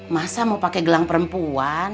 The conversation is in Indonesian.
masa mau pakai gelang perempuan